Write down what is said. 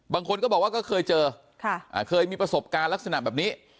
บางคนก็บอกว่าก็เคยเจอเคยมีประสบการณ์ลักษณะแบบนี้